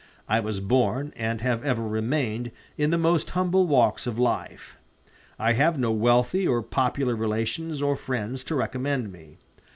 I was born, and have ever remained, in the most humble walks of life. I have no wealthy or popular relations or friends to recommend me.